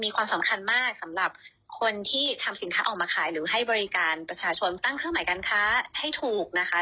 ความสำคัญมากสำหรับคนที่ทำสินค้าออกมาขายหรือให้บริการประชาชนตั้งเครื่องหมายการค้าให้ถูกนะคะ